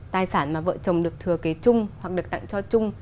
tài sản mà vợ chồng được thừa kế chung hoặc được tặng cho chung